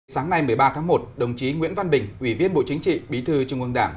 sáng nay một mươi ba tháng một đồng chí nguyễn văn bình ủy viên bộ chính trị bí thư trung ương đảng